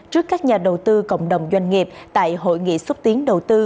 trước các nhà đầu tư cộng đồng doanh nghiệp tại hội nghị xúc tiến đầu tư